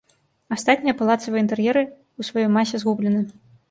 Астатнія палацавыя інтэр'еры ў сваёй масе згублены.